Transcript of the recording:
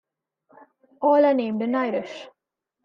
All are named in Irish.